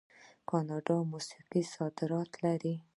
د کاناډا موسیقي صادرات لري.